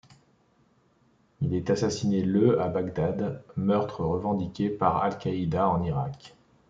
Il est assassiné le à Bagdad, meurtre revendiqué par Al Qaida en Irak.